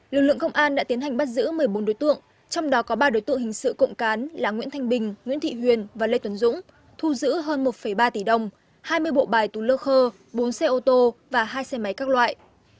lực lượng công an đã tiến hành bắt giữ một mươi bốn đối tượng trong đó có ba đối tượng hình sự cộng cán là nguyễn thanh bình nguyễn thị huyền và lê tuấn dũng thu giữ hơn một ba tỷ đồng hai mươi bộ bài túi lơ khơ bốn xe ô tô và hai xe máy các loại